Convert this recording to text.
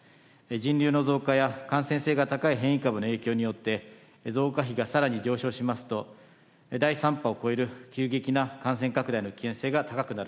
人流の増加や、感染性が高い変異株の影響によって、増加比がさらに上昇しますと、第３波を超える急激な感染拡大の危険性が高くなる。